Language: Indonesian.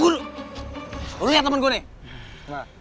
lu lihat temen gue nih